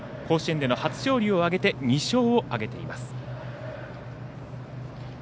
甲子園での初勝利を挙げて２勝を挙げています。